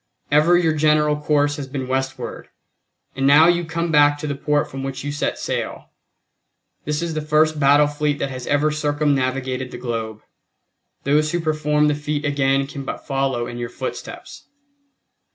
Ever your general course has been westward; and now you come back to the port from which you set sail. This is the first battle fleet that has ever circumnavigated the globe. Those who perform the feat again can but follow in your footsteps.